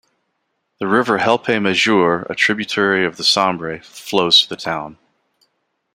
The river Helpe Majeure, a tributary of the Sambre, flows through the town.